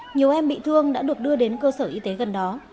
nhiều em bị thương đã được đưa đến cơ sở y tế gần đó